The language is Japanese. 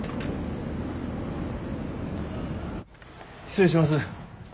失礼します。